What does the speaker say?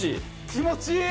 気持ちいい！